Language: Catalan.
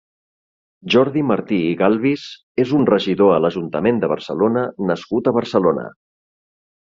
Jordi Martí i Galbis és un regidor a l'Ajuntament de Barcelona nascut a Barcelona.